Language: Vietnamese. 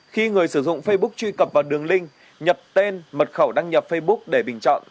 khi người sử dụng facebook truy cập vào đường link nhập tên mật khẩu đăng nhập facebook để bình chọn